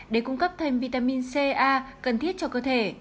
để cung cấp thêm vitamin c a cần thiết cho cơ thể